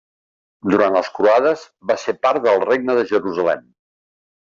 Durant les croades, va ser part del Regne de Jerusalem.